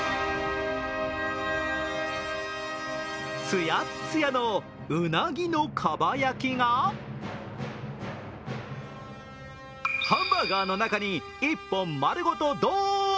ツヤッツヤのうなぎのかば焼きがハンバーガーの中に一本丸ごとドーン！